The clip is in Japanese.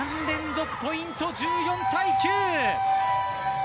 ３連続ポイント、１４対９。